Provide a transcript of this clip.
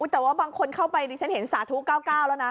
แต่ว่าบางคนเข้าไปดิฉันเห็นสาธุ๙๙แล้วนะ